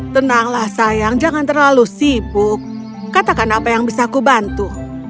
tenanglah sayang jangan terlalu sibuk katakan apa yang bisa kubantu